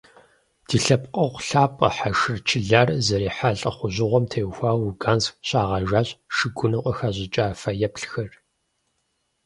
Ди лъэпкъэгъу лъапӀэ Хьэшыр Чылар зэрихьа лӀыхъужьыгъэм теухуауэ Луганск щагъэжащ шыгуным къыхэщӀыкӀа фэеплъхэр.